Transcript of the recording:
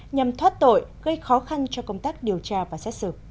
nhằm thoát tội gây khó khăn cho công tác điều tra và xét xử